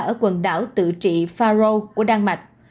ở quần đảo tự trị faro của đan mạch